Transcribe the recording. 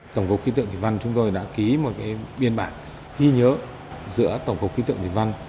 tổng cục khí tượng thủy văn chúng tôi đã ký một biên bản ghi nhớ giữa tổng cục khí tượng thủy văn